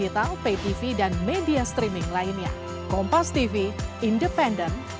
terima kasih pak presiden